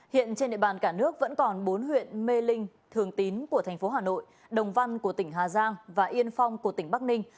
hiện trên địa bàn cả nước vẫn còn bốn huyện mê linh thường tín của thành phố hà nội đồng văn của tỉnh hà giang và yên phong của tỉnh bắc ninh